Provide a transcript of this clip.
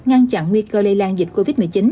ngăn chặn nguy cơ lây lan dịch covid một mươi chín